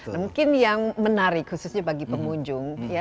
nah mungkin yang menarik khususnya bagi pengunjung